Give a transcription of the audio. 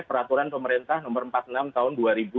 peraturan pemerintah nomor empat puluh enam tahun